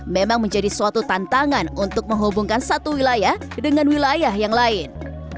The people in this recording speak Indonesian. memang menjadi suatu tantangan untuk menghubungkan satu wilayah dengan wilayah yang lain